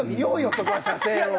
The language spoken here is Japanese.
そこは車線を。